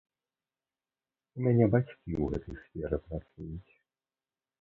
У мяне бацькі ў гэтай сферы працуюць.